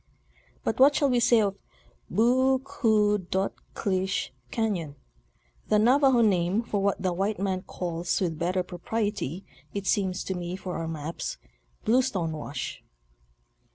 But what shall we say of '" Boo koo dot klish Cafion ;" the Navajo name for what the white man calls with better propriety, it seems to me, for our maps, "Bluestone Wash."